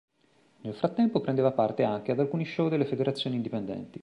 Nel frattempo, prendeva parte anche ad alcuni show delle federazioni indipendenti.